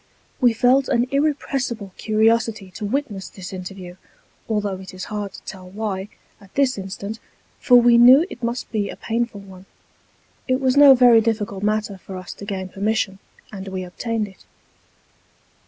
We felt an irrepressible curiosity to witness this interview, although it is hard to tell why, at this instant, for we knew it must be a painful one. It was no very difficult matter for us to gain permission, and we obtained it.